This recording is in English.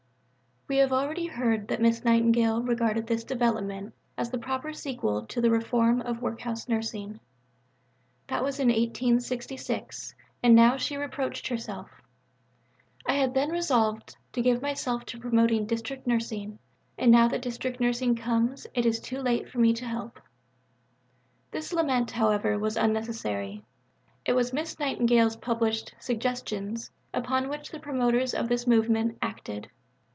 We have heard already that Miss Nightingale regarded this development as the proper sequel to the reform of workhouse nursing. That was in 1866, and now she reproached herself: "I had then resolved to give myself to promoting District Nursing, and now that District Nursing comes it is too late for me to help." This lament, however, was unnecessary. It was Miss Nightingale's published Suggestions upon which the promoters of the movement acted.